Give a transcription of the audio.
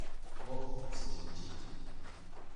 Oh ! c’est inutile.